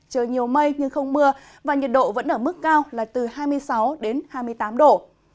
trời nhiều mây nhưng không mưa và nhiệt độ vẫn ở mức cao là từ hai mươi sáu đến hai mươi tám độ